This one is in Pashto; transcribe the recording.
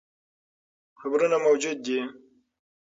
قبرونه موجود دي.